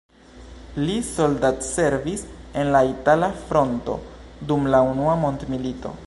Li soldatservis en la itala fronto dum la unua mondmilito.